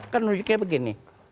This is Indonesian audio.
kan menunjuknya begini